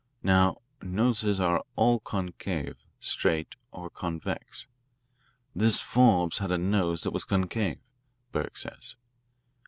Now, noses are all concave, straight, or convex. This Forbes had a nose that was concave, Burke says.